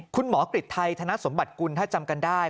คุณหมอกริจไทยธนสมบัติกุลถ้าจำกันได้